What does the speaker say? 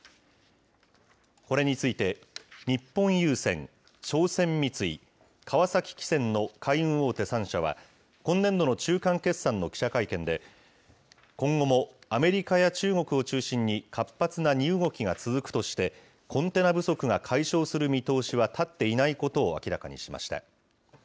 これについて、日本郵船、商船三井、川崎汽船の海運大手３社は、今年度の中間決算の記者会見で、今後もアメリカや中国を中心に活発な荷動きが続くとして、コンテナ不足が解消する見通しは立っていないことを明らかにしました。